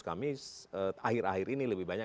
kami akhir akhir ini lebih banyak